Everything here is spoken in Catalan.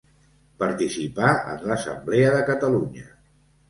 Participà en l'Assemblea de Catalunya.